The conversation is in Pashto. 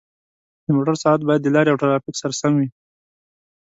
د موټر سرعت باید د لارې او ترافیک سره سم وي.